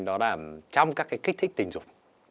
đó là trong các cái kích thích tình dục